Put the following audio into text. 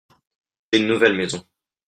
J’ai une nouvelle maison.